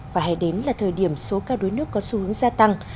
và hẹn đến là thời điểm số ca đuối nước có xu hướng gia tăng